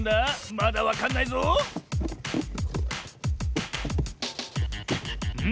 まだわかんないぞん？